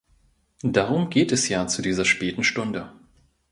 Darum geht es ja zu dieser späten Stunde.